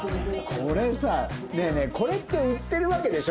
これって売ってるわけでしょ？